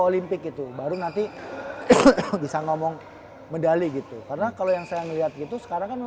olimpik itu baru nanti bisa ngomong medali gitu karena kalau yang saya ngeliat gitu sekarang kan